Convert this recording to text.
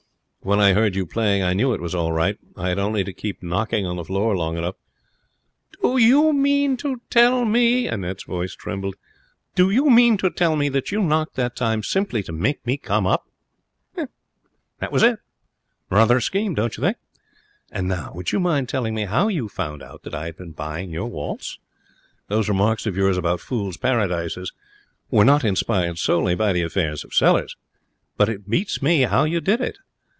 When I heard you playing I knew it was all right. I had only to keep knocking on the floor long enough ' 'Do you mean to tell me' Annette's voice trembled 'do you mean to tell me that you knocked that time simply to make me come up?' 'That was it. Rather a scheme, don't you think? And now, would you mind telling me how you found out that I had been buying your waltz? Those remarks of yours about fools' paradises were not inspired solely by the affairs of Sellers. But it beats me how you did it.